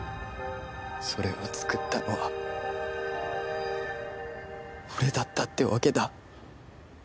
それを作ったのは俺だったってわけだ。